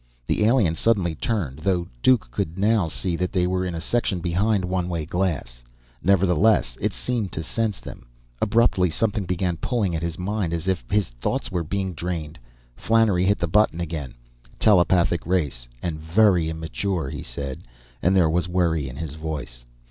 The alien suddenly turned, though Duke could now see that they were in a section behind one way glass. Nevertheless, it seemed to sense them. Abruptly, something began pulling at his mind, as if his thoughts were being drained. Flannery hit the button again. "Telepathic race, and very immature," he said, and there was worry in his voice.